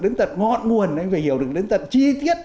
đến tật ngọn nguồn anh phải hiểu được đến tật chi tiết